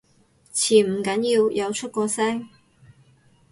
潛唔緊要，有出過聲